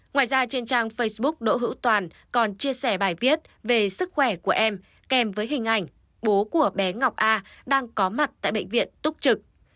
ngoài ra trên trang facebook đỗ hữu toàn còn chia sẻ bài viết về sức khỏe của em kèm với hình ảnh bố của bé ngọc a đang có mặt tại bệnh viện túc trực